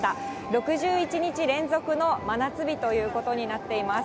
６１日連続の真夏日ということになっています。